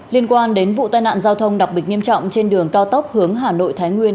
liên quan đến vụ tai nạn giao thông đặc biệt nghiêm trọng trên đường cao tốc hướng hà nội thái nguyên